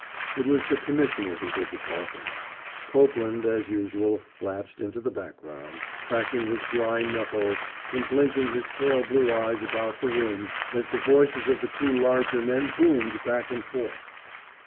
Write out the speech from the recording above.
It was the Commissioner who did the talking. Copeland, as usual, lapsed into the background, cracking his dry knuckles and blinking his pale blue eyes about the room as the voices of the two larger men boomed back and forth.